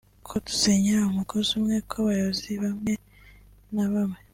Kudasenyera umugozi umwe kw’abayobozi bamwe nabamwe